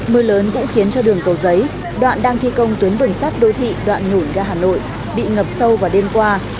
mưa lớn cũng khiến cho đường cầu giấy đoạn đang thi công tuyến bình sát đô thị đoạn nủi ra hà nội bị ngập sâu vào đêm qua